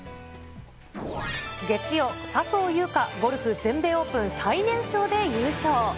月曜、笹生優花、ゴルフ全米オープン、最年少で優勝。